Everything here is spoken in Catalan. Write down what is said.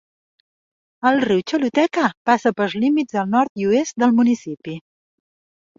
El riu Choluteca passa pels límits al nord i oest del municipi.